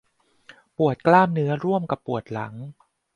ปวดกล้ามเนื้อร่วมกับปวดหลัง